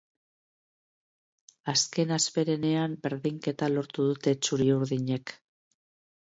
Azken hasperenean berdinketa lortu dute txuri-urdinek.